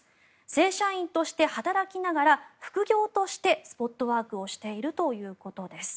正社員として働きながら副業としてスポットワークをしているということです。